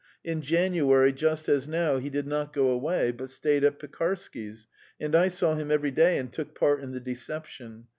In January, just as now, he did not go away, but stayed at Pekarsky's, and I saw him every day and took part in the deception.